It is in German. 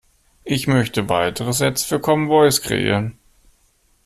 Ich möchte weitere Sätze für Common Voice kreieren.